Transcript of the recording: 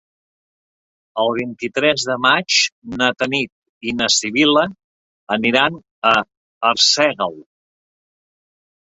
El vint-i-tres de maig na Tanit i na Sibil·la aniran a Arsèguel.